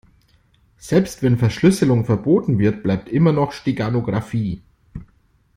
Selbst wenn Verschlüsselung verboten wird, bleibt immer noch Steganographie.